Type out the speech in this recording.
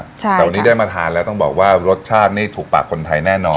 แต่วันนี้ได้มาทานแล้วต้องบอกว่ารสชาตินี่ถูกปากคนไทยแน่นอน